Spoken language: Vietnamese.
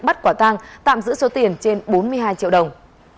bắt quả tang tạm giữ số tiền trên bốn mươi hai triệu đồng